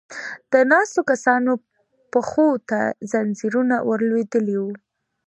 د ناستو کسانو پښو ته ځنځيرونه ور لوېدلې و.